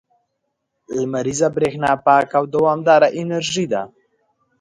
• لمریزه برېښنا پاکه او دوامداره انرژي ده.